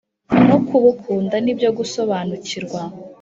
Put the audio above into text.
no kubukunda ni byo gusobanukirwa.